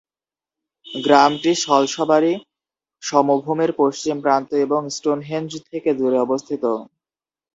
গ্রামটি সলসবারি সমভূমির পশ্চিম প্রান্ত এবং স্টোনহেঞ্জ থেকে দূরে অবস্থিত।